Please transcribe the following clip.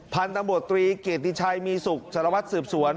พันธ์ตำรวจตรีเกติชัยมีศุกร์จรวรรดิสืบสวน